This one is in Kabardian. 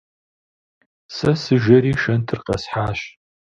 Сэ сыжэри шэнтыр къэсхьащ.